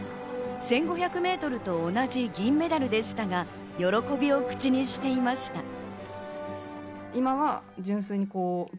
１５００メートルと同じ銀メダルでしたが、喜びを口にしていました。